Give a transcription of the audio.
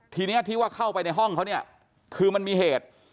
ทีนี้ที่ว่าเข้าไปในห้องเขาเนี่ยคือมันมีเหตุ